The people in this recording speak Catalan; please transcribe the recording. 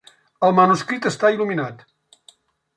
El manuscrit està il·luminat.